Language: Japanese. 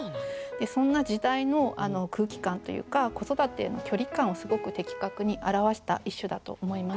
そんな時代の空気感というか子育てへの距離感をすごく的確に表した一首だと思います。